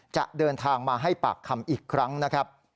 จะเดินทางมาให้ปากคำอีกครั้งนะครับ